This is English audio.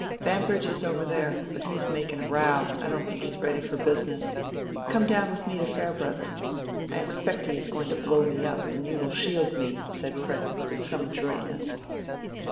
"Bambridge is over there, but he is making a row—I don't think he's ready for business. Come down with me to Farebrother. I expect he is going to blow me up, and you will shield me," said Fred, with some adroitness.